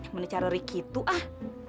mencarori gitu ah